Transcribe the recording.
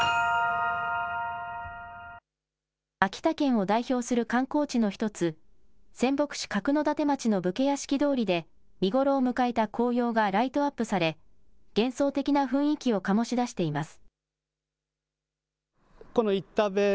秋田県を代表する観光地の１つ、仙北市角館町の武家屋敷通りで見頃を迎えた紅葉がライトアップされ幻想的な雰囲気を醸し出しています。